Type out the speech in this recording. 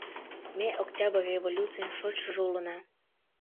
Ме Октябрь революцийын шочшыжо улына!